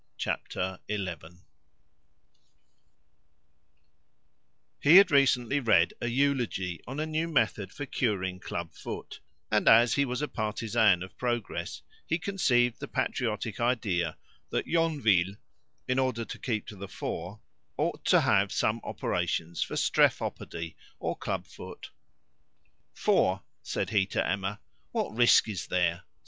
Chapter Eleven He had recently read a eulogy on a new method for curing club foot, and as he was a partisan of progress, he conceived the patriotic idea that Yonville, in order to keep to the fore, ought to have some operations for strephopody or club foot. "For," said he to Emma, "what risk is there?